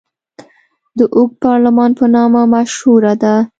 د اوږد پارلمان په نامه مشهوره ده.